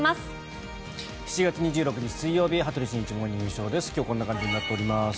７月２６日、水曜日「羽鳥慎一モーニングショー」。今日こんな感じになっております。